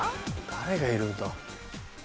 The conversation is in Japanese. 誰がいるんだ？